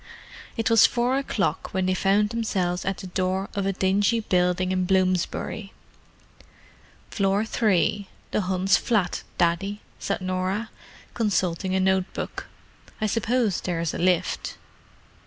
It was four o'clock when they found themselves at the door of a dingy building in Bloomsbury. "Floor 3, the Hunts' flat, Daddy," said Norah, consulting a note book. "I suppose there is a lift."